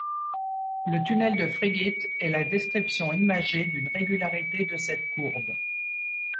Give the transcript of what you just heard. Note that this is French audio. Le tunnel de Friggit est la description imagée d’une régularité de cette courbe.